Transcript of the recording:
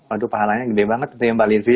aduh pahalanya gede banget ya mbak lizzy ya